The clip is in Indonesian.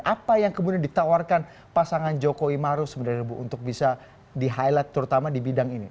apa yang kemudian ditawarkan pasangan jokowi maru sebenarnya bu untuk bisa di highlight terutama di bidang ini